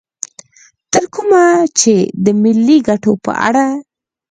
تر کومه چې د ملي ګټو په اړه